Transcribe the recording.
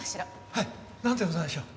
はいなんでございましょう？